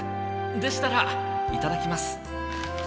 でしたらいただきます。